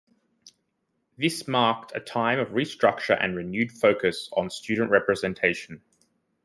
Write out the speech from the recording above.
This marked a time of restructure and renewed focus on student representation.